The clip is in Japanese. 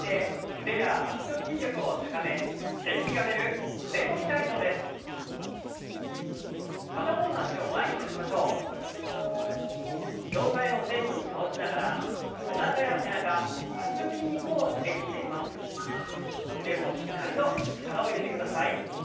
腕もしっかりと力を入れてください。